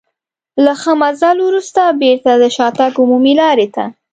له ښه مزل وروسته بېرته د شاتګ عمومي لارې ته.